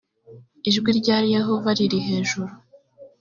ijwi rya yehova riri hejuru